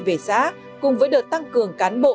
về xã cùng với đợt tăng cường cán bộ